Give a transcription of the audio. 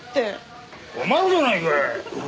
困るじゃないか！